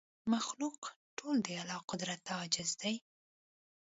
مخلوق ټول د الله قدرت ته عاجز دی